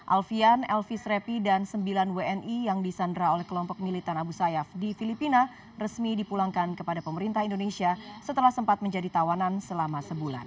alfian elvis repi dan sembilan wni yang disandra oleh kelompok militan abu sayyaf di filipina resmi dipulangkan kepada pemerintah indonesia setelah sempat menjadi tawanan selama sebulan